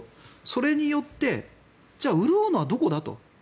それによって潤うのはどこだと。